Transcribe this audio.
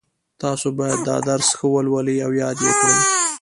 تاسو باید دا درس ښه ولولئ او یاد یې کړئ